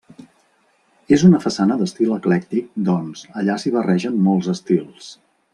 És una façana d'estil eclèctic doncs, allà s'hi barregen molts estils.